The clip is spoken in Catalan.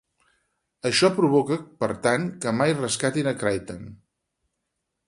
Això provoca per tant que mai rescatin a Kryten.